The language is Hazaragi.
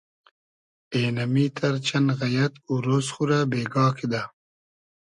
اېنئمیتئر چئن غئیئد او رۉز خو رۂ بېگا کیدۂ